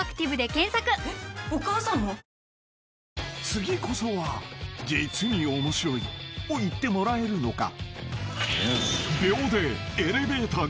［次こそは「実に面白い」を言ってもらえるのか？］